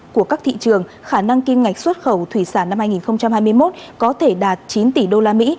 của các thị trường khả năng kim ngạch xuất khẩu thủy sản năm hai nghìn hai mươi một có thể đạt chín tỷ đô la mỹ